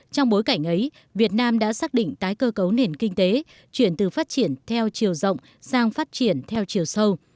trong bối cảnh ấy việt nam đã xác định tái cơ cấu nền kinh tế chuyển từ phát triển theo chiều rộng sang phát triển theo chiều sâu